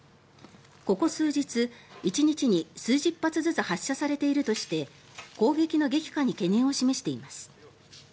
ここ数日、１日に数十発ずつ発射されているとして攻撃の激化に懸念を示しています。